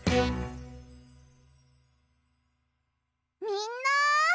みんな。